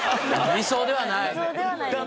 理想ではないです。